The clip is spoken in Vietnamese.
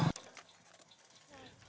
điểm nổi bật của chiếc xe gieo hạt và bón phân